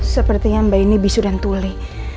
sepertinya mbak ini bisu dan tuli